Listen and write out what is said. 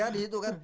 di situ kan